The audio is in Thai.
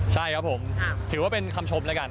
ใช่ครับผมถือว่าเป็นคำชมแล้วกัน